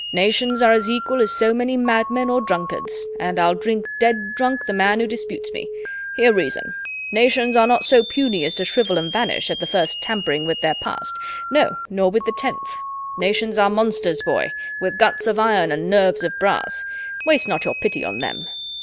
"Nations are as equal as so many madmen or drunkards, and I'll drink dead drunk the man who disputes me. Hear reason: nations are not so puny as to shrivel and vanish at the first tampering with their past, no, nor with the tenth. Nations are monsters, boy, with guts of iron and nerves of brass. Waste not your pity on them."